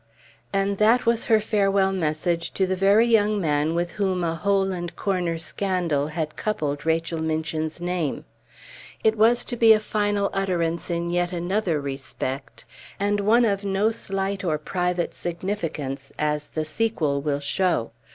And that was her farewell message to the very young man with whom a hole and corner scandal had coupled Rachel Minchin's name; it was to be a final utterance in yet another respect, and one of no slight or private significance, as the sequel will show.